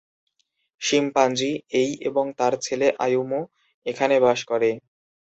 Chimpanzee এই এবং তার ছেলে আয়ুমু সেখানে বাস করে।